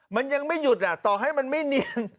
มันยังไม่หยุดต่อให้มันไม่เนียน